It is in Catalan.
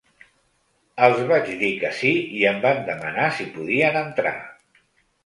Els vaig dir que sí i em van demanar si podien entrar.